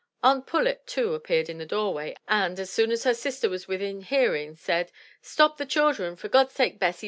Aunt Pullet, too, appeared at the doorway, and, as soon as her sister was within hearing, said, *'Stop the children, for God's sake, Bessy!